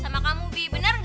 iya yang tengah ditetapi